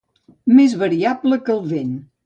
Més variable que el vent.